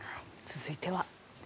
続いては。